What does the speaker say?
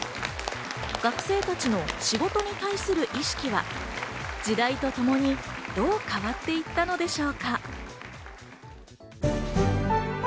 学生たちの仕事に対する意識は時代とともに、どう変わっていたのでしょうか？